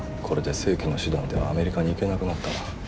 これで正規の手段ではアメリカに行けなくなったな。